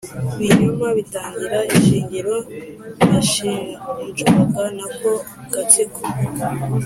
binyoma bitagira ishingiro nashinjwaga n'ako gatsiko